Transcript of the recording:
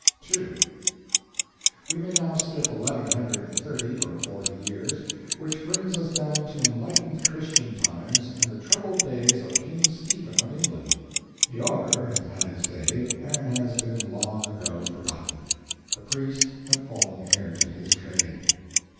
II We may now skip eleven hundred and thirty or forty years, which brings us down to enlightened Christian times and the troubled days of King Stephen of England. The augur has had his day and has been long ago forgotten; the priest had fallen heir to his trade.